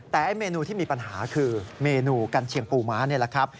แต่เมนูที่มีปัญหาคือเมนูกัญเชียงปูม้านี่แหละครับ